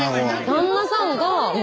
旦那さん